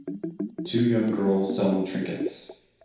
Two young girls selling trinkets.